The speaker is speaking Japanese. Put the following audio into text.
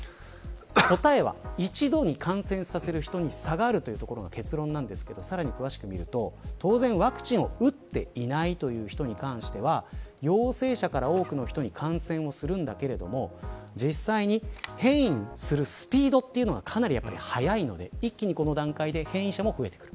答えは、一度に感染させる人に差があるということが結論ですがさらに詳しく見ると当然ワクチンを打っていないという人に関しては陽性者から多くの人に感染をするんだけれども実際に変異するスピードというものがかなり早いので一気に、この段階で変異者も増える。